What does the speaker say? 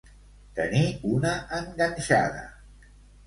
Tenir una enganxada.